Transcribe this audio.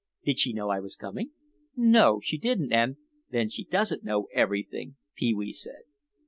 "Did she know I was coming?" "No, she didn't and—" "Then she doesn't know everything," Pee wee said.